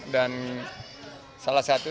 dan salah satu